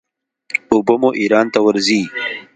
اوبه مو ایران ته ورځي.